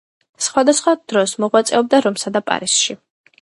სხვადასხვა დროს მოღვაწეობდა რომსა და პარიზში.